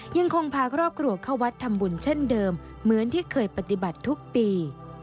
ยังคงพาครอบครัวเข้าวัดทำบุญเช่นเดิมเหมือนที่เคยปฏิบัติทุกปี